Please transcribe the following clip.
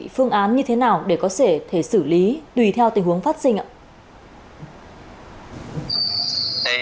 phương án như thế nào để có thể xử lý tùy theo tình huống phát sinh ạ